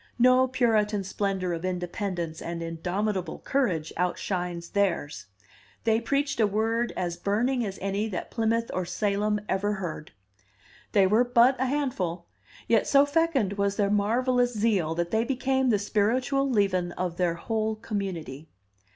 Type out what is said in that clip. No Puritan splendor of independence and indomitable courage outshines theirs. They preached a word as burning as any that Plymouth or Salem ever heard. They were but a handful, yet so fecund was their marvelous zeal that they became the spiritual leaven of their whole community.